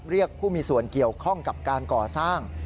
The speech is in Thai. เรียกผู้มีส่วนเกี่ยวข้องกับการก่อสร้าง